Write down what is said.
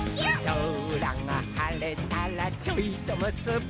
「そらがはれたらちょいとむすび」